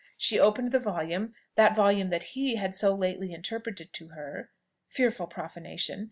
She opened the volume, that volume that he had so lately interpreted to her (fearful profanation!)